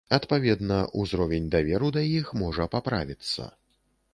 Адпаведна, узровень даверу да іх можа паправіцца.